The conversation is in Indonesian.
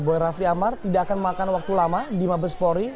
boy rafli amar tidak akan memakan waktu lama di mabespori